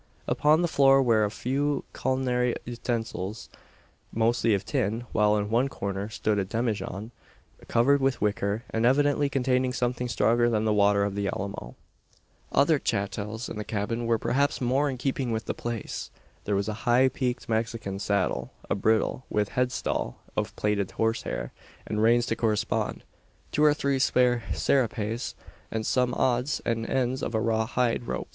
Upon the floor were a few culinary utensils, mostly of tin; while in one corner stood a demijohn, covered with wicker, and evidently containing something stronger than the water of the Alamo. Other "chattels" in the cabin were perhaps more in keeping with the place. There was a high peaked Mexican saddle; a bridle, with headstall of plaited horsehair, and reins to correspond; two or three spare serapes, and some odds and ends of raw hide rope.